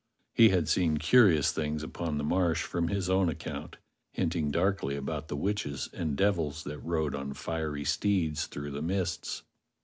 He had seen curious things upon the Marsh from his own account, hinting darkly about the witches and devils that rode on fiery steeds through the mists.